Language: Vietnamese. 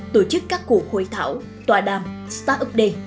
tổ chức các cuộc hội thảo tòa đàm start up da